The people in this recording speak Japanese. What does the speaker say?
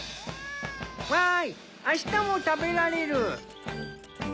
わい明日も食べられる。